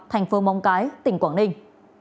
thành phố mông cái tỉnh quảng ninh